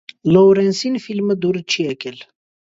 Լոուրենսին ֆիլմը դուր չի եկել։